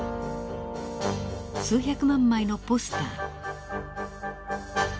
数百万枚のポスター。